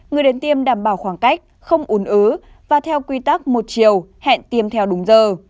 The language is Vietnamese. người đến tiêm đảm bảo khoảng cách không ủn ứ và theo quy tắc một chiều hẹn tiêm theo đúng giờ